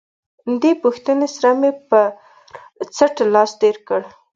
دې پوښتنې سره مې پر څټ لاس تېر کړ.